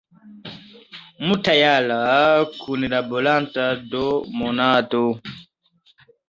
Multjara kunlaboranto de "Monato".